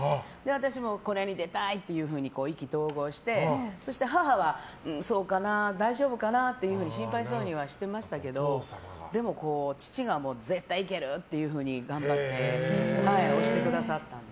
私もこれに出たいっていうふうに意気投合してそして、母は、そうかな大丈夫かな？って心配そうにはしてましたけどでも父が絶対行けるって頑張って推してくださったんです。